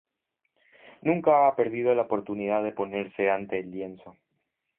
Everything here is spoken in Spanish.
Nunca ha perdido la oportunidad de ponerse ante el lienzo.